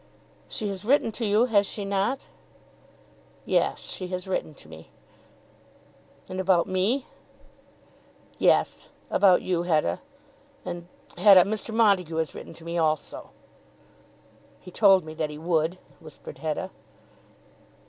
"She has written to you; has she not?" "Yes; she has written to me." "And about me?" "Yes; about you, Hetta. And, Hetta, Mr. Montague has written to me also." "He told me that he would," whispered Hetta.